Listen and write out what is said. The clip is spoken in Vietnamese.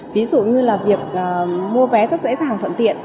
ví dụ như là việc mua vé rất dễ dàng thuận tiện